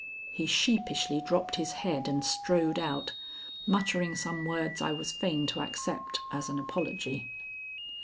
he sheepishly dropped his head and strode out, muttering some words I was fain to accept as an apology.